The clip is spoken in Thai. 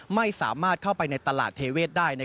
ไม่สามารถเข้าไปในตลาดเทเวศได้